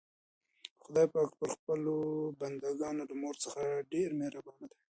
خدای پاک پر خپلو بندګانو له مور څخه ډېر مهربان دی.